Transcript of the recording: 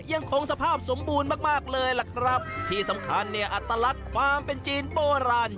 ยังคงสภาพสมบูรณ์มากมากเลยล่ะครับที่สำคัญเนี่ยอัตลักษณ์ความเป็นจีนโบราณ